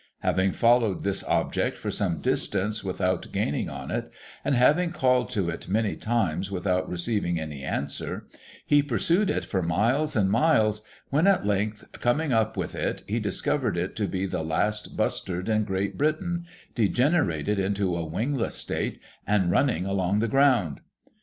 Having followed this object for some distance without gain ing on it, and having called to it many times without receiving any answer, he pursued it for miles and miles, when, at length coming up with it, he discovered it to be the last bustard in Great Britain, degenerated into a wingless state, and running along the ground.